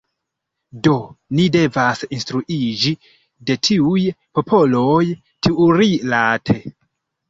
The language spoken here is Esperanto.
Do, ni devas instruiĝi de tiuj popoloj tiurilate.